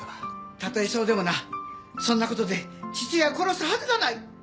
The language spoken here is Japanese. たとえそうでもなそんなことで父親を殺すはずがない！